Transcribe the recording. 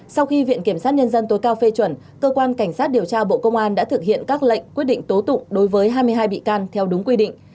sau khi viện kiểm sát nhân dân tối cao phê chuẩn cơ quan cảnh sát điều tra bộ công an đã thực hiện các lệnh quyết định tố tụng đối với hai mươi hai bị can theo đúng quy định